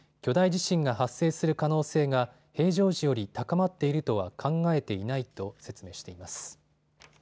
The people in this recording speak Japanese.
巨大地震が発生する可能性が平常平常時より高まっているとは考えていないと説明しています。